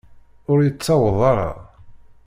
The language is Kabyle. Ur yettaweḍ ara.